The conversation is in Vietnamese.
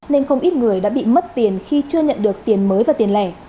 nên không ít người đã bị mất tiền khi chưa nhận được tiền mới và tiền lẻ